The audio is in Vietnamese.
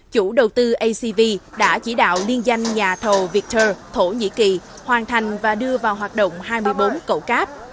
chủ đầu tư acv đã chỉ đạo liên danh nhà thầu victor thổ nhĩ kỳ hoàn thành và đưa vào hoạt động hai mươi bốn cậu cáp